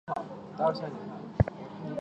越谷湖城站武藏野线的铁路车站。